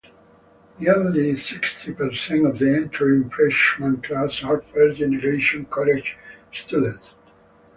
Nearly sixty percent of the entering freshman class are first generation college students.